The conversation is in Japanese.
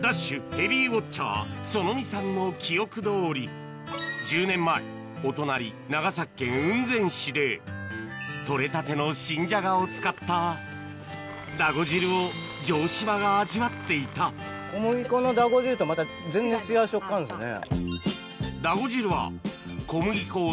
ヘビーウオッチャーそのみさんの記憶どおり１０年前お隣長崎県雲仙市で取れたての新じゃがを使っただご汁を城島が味わっていた小麦粉のだご汁とはまた全然違う食感ですね。